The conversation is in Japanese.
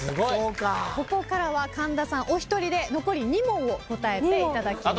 ここからは神田さんお一人で残り２問を答えていただきます。